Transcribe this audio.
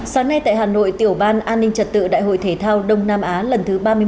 sáng nay tại hà nội tiểu ban an ninh trật tự đại hội thể thao đông nam á lần thứ ba mươi một